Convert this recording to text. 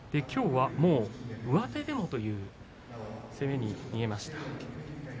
きょうは、上手でもという攻めに見えました。